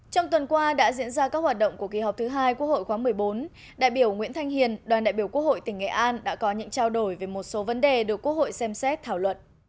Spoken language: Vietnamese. trong tuần qua đã diễn ra các hoạt động của kỳ họp thứ hai quốc hội khóa một mươi bốn đại biểu nguyễn thanh hiền đoàn đại biểu quốc hội tỉnh nghệ an đã có những trao đổi về một số vấn đề được quốc hội xem xét thảo luận